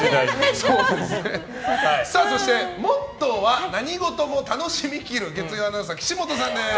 そしてモットーは何事も楽しみ切る月曜アナウンサー、岸本さんです。